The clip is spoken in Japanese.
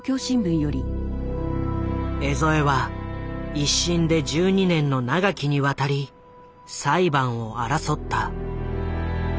江副は一審で１２年の長きにわたり裁判を争った。